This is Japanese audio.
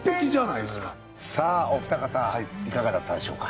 さぁお二方いかがだったでしょうか。